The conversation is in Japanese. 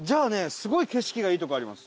すごい景色がいいとこあります。